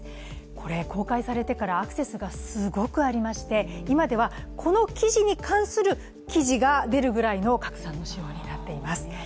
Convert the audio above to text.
これ、公開されてからアクセスがすごくありまして今ではこの記事に関する記事が出るぐらいの拡散になっています。